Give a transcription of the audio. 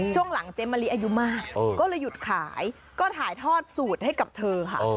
ช่วงหลังเจ๊มะลิอายุมากก็เลยหยุดขายก็ถ่ายทอดสูตรให้กับเธอค่ะ